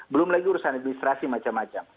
belum lagi urusan administrasi macam macam